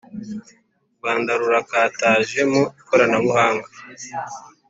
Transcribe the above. u rwanda rurakataje mu ikoranabuhanga